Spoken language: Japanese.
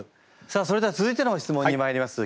さあそれでは続いての質問にまいります。